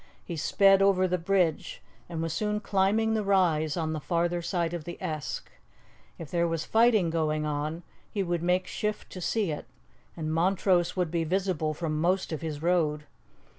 He sped over the bridge, and was soon climbing the rise on the farther side of the Esk. If there was fighting going on, he would make shift to see it, and Montrose would be visible from most of his road.